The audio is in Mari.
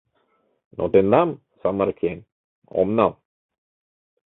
Но тендам, самырык еҥ, ом нал.